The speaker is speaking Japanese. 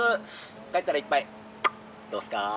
帰ったら一杯どうっすか？」。